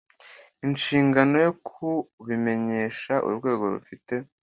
Inshingano yo kubimenyesha urwego rufite